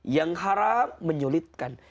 yang haram menyulitkan